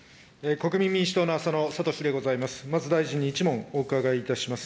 国民民主党の浅野哲でございます。